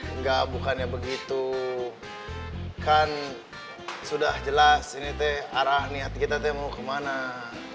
enggak bukannya begitu kan sudah jelas ini teh arah niat kita mau kemana ya